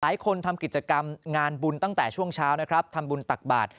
ทำกิจกรรมงานบุญตั้งแต่ช่วงเช้านะครับทำบุญตักบาท